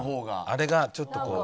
あれがちょっとこう。